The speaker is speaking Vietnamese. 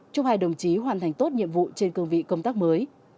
chúc hai đồng chí hoàn thành tốt nhiệm vụ trên cương vị công tác mới